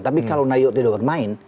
tapi kalau nayo tidak bermain